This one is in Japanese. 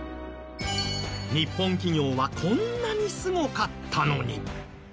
日本企業はこんなにすごかったのに。